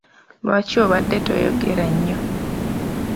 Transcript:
Lwaki obadde toyogera nnyo?